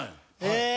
へえ。